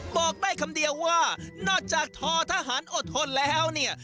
บอกได้คำเดียวว่านอกจากทอทหารอดทนแล้วเนี่ย